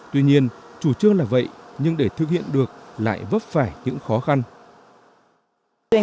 tuy nhiên chủ trương là vậy nhưng để thực hiện được lại vấp phải những khó khăn